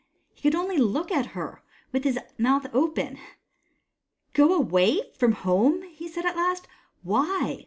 He could only look at her, with his mouth open. " Go away from home !" he said at last. " WTiy ?